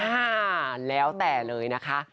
อ่าแล้วแต่เลยนะคะ